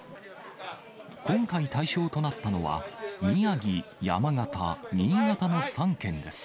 今回、対象となったのは宮城、山形、新潟の３県です。